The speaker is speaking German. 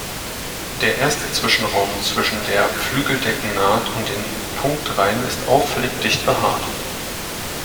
Der erste Zwischenraum zwischen der Flügeldeckennaht und den Punktreihen ist auffällig dicht behaart.